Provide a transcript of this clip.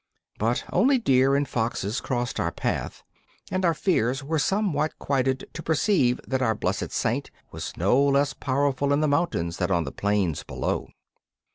But only deer and foxes crossed our path, and our fears were somewhat quieted to perceive that our blessed Saint was no less powerful in the mountains than on the plains below.